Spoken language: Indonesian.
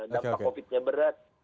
dampak covid nya berat